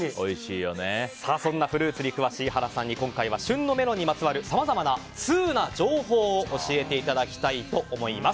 そんなフルーツに詳しい原さんに今回は旬のメロンにまつわるさまざまな通な情報を教えていただきたいと思います。